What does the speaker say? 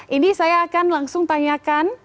ini saya akan langsung tanyakan